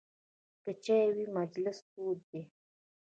که چای وي، مجلس تود وي.